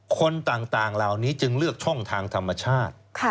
คนต่างเหล่านี้จึงเลือกช่องทางธรรมชาติ